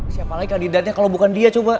siapa lagi kandidatnya kalau bukan dia coba